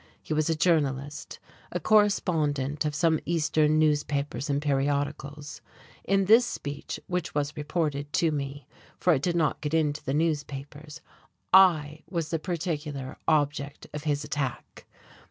He was a journalist, a correspondent of some Eastern newspapers and periodicals. In this speech, which was reported to me for it did not get into the newspapers I was the particular object of his attack.